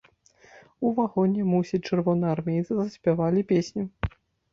У вагоне, мусіць, чырвонаармейцы заспявалі песню.